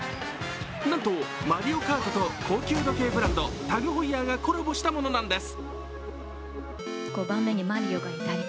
なんと、「マリオカート」と高級時計ブランドのタグ・ホイヤーがコラボしたものなんです。